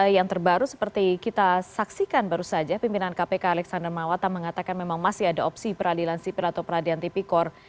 yang terbaru seperti kita saksikan baru saja pimpinan kpk alexander mawata mengatakan memang masih ada opsi peradilan sipil atau peradilan tipikor